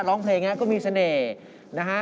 ร้องเพลงนี้ก็มีเสน่ห์นะฮะ